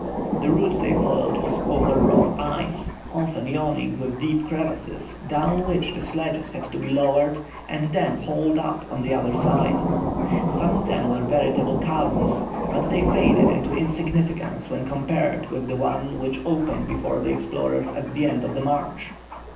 The route they followed was over rough ice, often yawning with deep crevasses, down which the sledges had to be lowered and then hauled up on the other side. Some of them were veritable chasms, but they faded into insignificance when compared with the one which opened before the explorers at the end of the march.